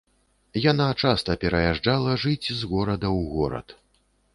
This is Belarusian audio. Яна часта пераязджала жыць з горада ў горад.